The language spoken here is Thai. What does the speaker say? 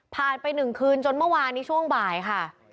ผ่านไปหนึ่งคืนจนเมื่อวานในช่วงบ่ายค่ะ